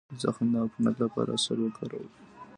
د زخم د عفونت لپاره عسل وکاروئ